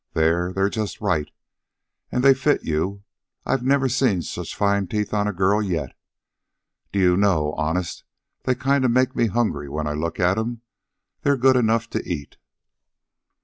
They're ... they're just right, an' they fit you. I never seen such fine teeth on a girl yet. D'ye know, honest, they kind of make me hungry when I look at 'em. They're good enough to eat."